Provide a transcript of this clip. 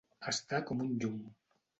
Estar com un llum.